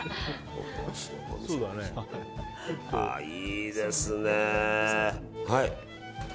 いいですね。